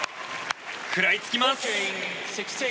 食らいつきます。